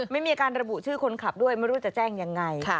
ไม่มีการระบุชื่อคนขับด้วยไม่รู้จะแจ้งยังไง